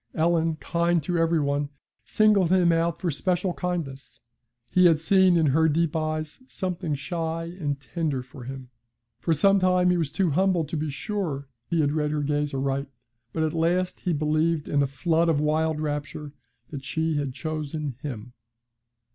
Ellen, kind to every one, singled him out for special kindness. He had seen in her deep eyes something shy and tender for him. For some time he was too humble to be sure he had read her gaze aright, but at last he believed in a flood of wild rapture that she had chosen him.